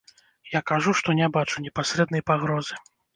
Я кажу, што не бачу непасрэднай пагрозы.